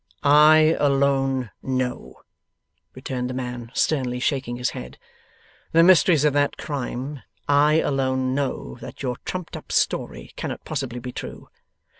'I alone know,' returned the man, sternly shaking his head, 'the mysteries of that crime. I alone know that your trumped up story cannot possibly be true.